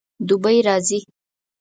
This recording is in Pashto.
دوبی راځي